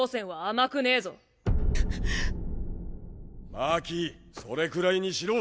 真希それくらいにしろ！